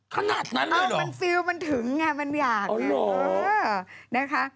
ขนาดนั้นเลยหรอมันฟิลมันถึงไงมันอยาก